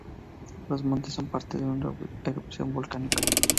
Los montes son parte de una erupción volcánica.